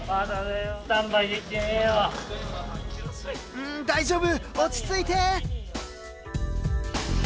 うん大丈夫落ち着いて！